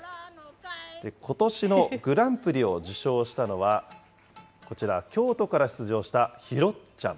ことしのグランプリを受賞したのは、こちら、京都から出場したひろっちゃん。